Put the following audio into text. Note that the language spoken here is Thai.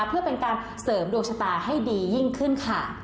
เพื่อเป็นการเสริมดวงชะตาให้ดียิ่งขึ้นค่ะ